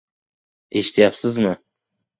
Eshityapsizmi?